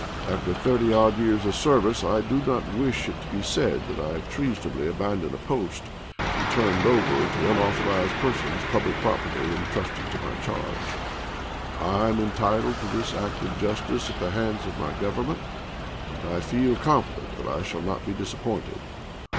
After thirty odd years of service I do not wish it to be said that I have treasonably abandoned THE SUMTEK EXPEDITION 27 a post and turned over to unauthorized persons public chap. ii. property intrusted to my charge. I am entitled to this act of justice at the hands of my Government, and I feel confident that I shall not be disappointed.